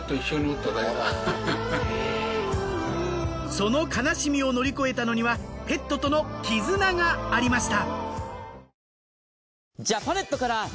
その悲しみを乗り越えたのにはペットとの絆がありました。